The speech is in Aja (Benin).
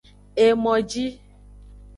Emoji.